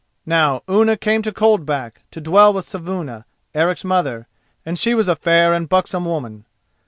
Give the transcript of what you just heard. Now Unna came to Coldback, to dwell with Saevuna, Eric's mother, and she was a fair and buxom woman.